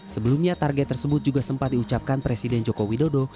sebelumnya target tersebut juga sempat diucapkan presiden joko widodo